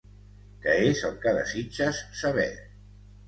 Què és el que desitges saber?